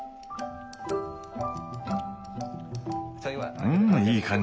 うんいい感じ。